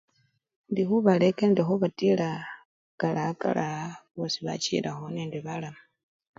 Indi khubalekela nende khubatila kalaakalaa bosi bachilakho nende balamu.